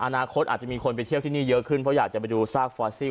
อนาคตอาจจะมีคนไปเที่ยวที่นี่เยอะขึ้นเพราะอยากจะไปดูซากฟอสซี่